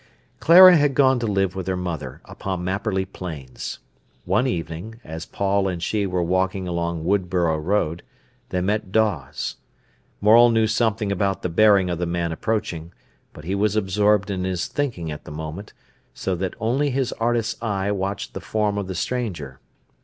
Clara had gone to live with her mother upon Mapperley Plains. One evening, as Paul and she were walking along Woodborough Road, they met Dawes. Morel knew something about the bearing of the man approaching, but he was absorbed in his thinking at the moment, so that only his artist's eye watched the form of the stranger.